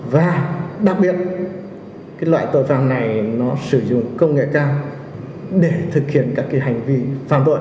và đặc biệt cái loại tội phạm này nó sử dụng công nghệ cao để thực hiện các hành vi phạm tội